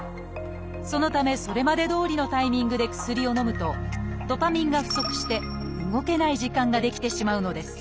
そのためそれまでどおりのタイミングで薬をのむとドパミンが不足して動けない時間が出来てしまうのです。